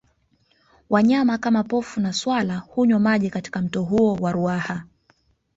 Wanyama kama Pofu na swala hunywa maji katika mto huo wa Ruaha